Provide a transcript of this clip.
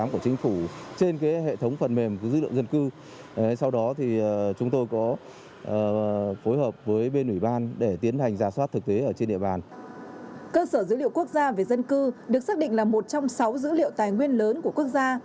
cơ sở dữ liệu quốc gia về dân cư được xác định là một trong sáu dữ liệu tài nguyên lớn của quốc gia